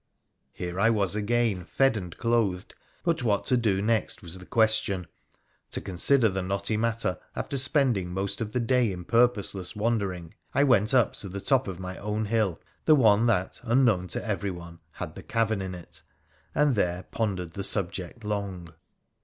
Here I was again, fed and clothed, but what to do next was the question. To consider the knotty matter, after spending most of the day in purposeless wandering I went up to the top of my own hill — the one that, unknown to everyone, had the cavern in it— and there pondered the subject long.